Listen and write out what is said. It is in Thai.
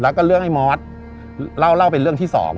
แล้วก็เรื่องไอ้มอสเล่าเป็นเรื่องที่๒